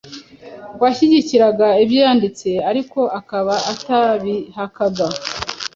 wahyigikiraga ibyo yandite ariko akaba atabihakaga